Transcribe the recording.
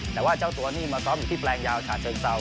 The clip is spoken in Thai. แต่ว่าเจ้าตัวนี้มาซ้อมอีกที่แปลงยาวขาดเชิงเศร้า